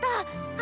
あ。